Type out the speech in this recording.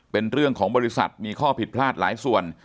เป็นเรื่องของบริษัทมีข้อผิดพลาดหลายส่วน